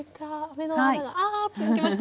目の穴があ続きましたね。